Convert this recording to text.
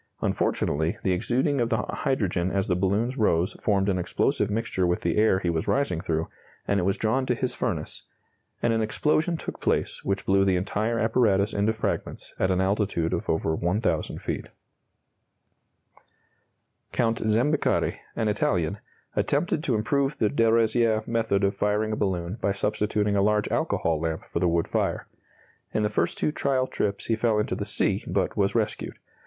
Unfortunately, the exuding of the hydrogen as the balloons rose formed an explosive mixture with the air he was rising through, and it was drawn to his furnace, and an explosion took place which blew the entire apparatus into fragments at an altitude of over 1,000 feet. [Illustration: Car and hoop of the Blanchard balloon, the first to cross the English Channel.] Count Zambeccari, an Italian, attempted to improve the de Rozier method of firing a balloon by substituting a large alcohol lamp for the wood fire. In the first two trial trips he fell into the sea, but was rescued.